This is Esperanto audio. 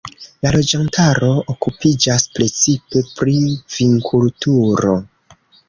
La loĝantaro okupiĝas precipe pri vinkulturo.